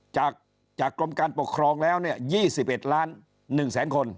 จากจากกรมการปกครองแล้วเนี่ยยี่สิบเอ็ดล้านหนึ่งแสนคน